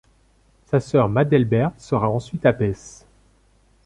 Sa sœur Madelberte sera ensuite abbesse.